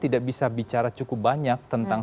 tidak bisa bicara cukup banyak tentang